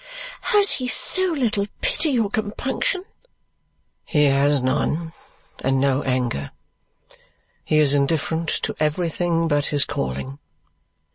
"Has he so little pity or compunction?" "He has none, and no anger. He is indifferent to everything but his calling.